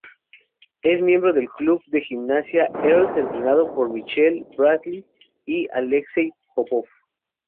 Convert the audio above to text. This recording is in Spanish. Es miembro del club de gimnasia "Earls", entrenado por Michelle Bradley y Alexei Popov.